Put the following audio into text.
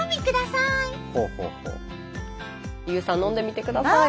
ＹＯＵさん飲んでみてください。